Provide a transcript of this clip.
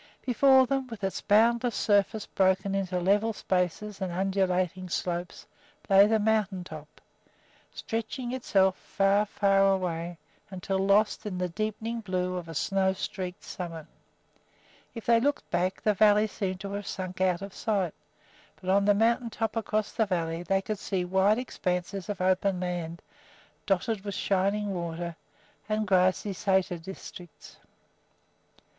Before them, with its boundless surface broken into level spaces and undulating slopes, lay the mountain top, stretching itself far, far away, until lost in the deepening blue of a snow streaked summit. If they looked back, the valley seemed to have sunk out of sight; but on the mountain top across the valley they could see wide expanses of open land dotted with shining water and grassy sæter districts.